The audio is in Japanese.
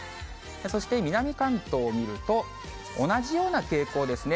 そして南関東を見ると、同じような傾向ですね。